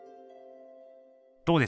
どうです？